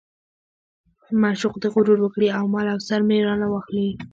معشوق دې غرور وکړي او مال او سر مې وانه خلي.